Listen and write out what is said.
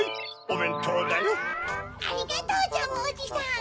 ありがとうジャムおじさん！